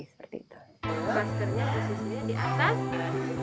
jadi kita bisa melakukan ini